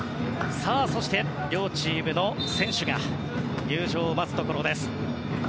そして、両チームの選手が入場を待つところです。